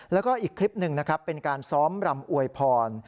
แล้วก็อีกคลิปหนึ่งนะครับเป็นการซ้อมรำอวยพร